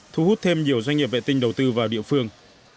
thu hút thêm nhiều doanh nghiệp vệ tinh đầu tư vào địa phương